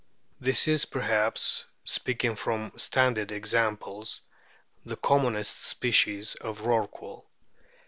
This is perhaps, speaking from stranded examples, the commonest species of Rorqual.